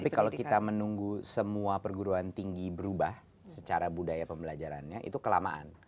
tapi kalau kita menunggu semua perguruan tinggi berubah secara budaya pembelajarannya itu kelamaan